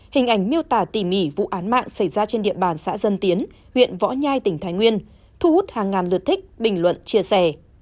hình ảnh miêu tả tỉ mỉ vụ án mạng xảy ra trên địa bàn xã dân tiến huyện võ nhai tỉnh thái nguyên thu hút hàng ngàn lượt thích bình luận chia sẻ